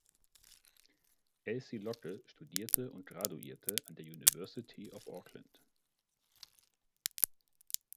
Elsie Locke studierte und graduierte an der University of Auckland.